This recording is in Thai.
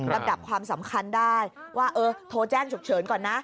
ลำดับความสำคัญได้ว่าเออโทรแจ้งฉุกเฉินก่อนนะ